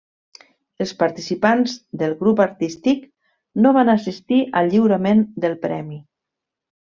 Els participants del grup artístic no van assistir al lliurament del premi.